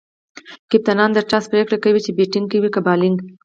کپتانان د ټاس پرېکړه کوي، چي بيټینګ کوي؛ که بالینګ.